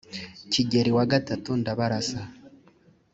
kigeri wa iii ndabarasa